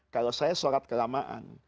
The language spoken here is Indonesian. kalau saya solat kelamaan